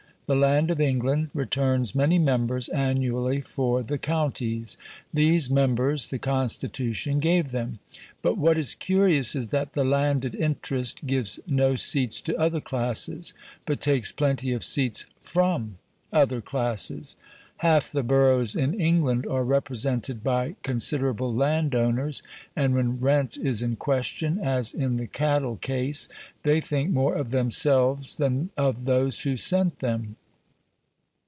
The land of England returns many members annually for the counties; these members the Constitution gave them. But what is curious is that the landed interest gives no seats to other classes, but takes plenty of seats FROM other classes. Half the boroughs in England are represented by considerable landowners, and when rent is in question, as in the cattle case, they think more of themselves than of those who sent them.